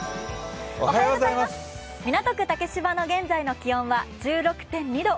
港区竹芝の現在の気温は１６．２度。